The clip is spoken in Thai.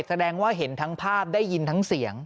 แสดงว่าเห็นทั้งภาพได้ยินทั้งเสียง